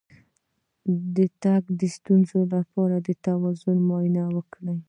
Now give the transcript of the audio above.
د تګ د ستونزې لپاره د توازن معاینه وکړئ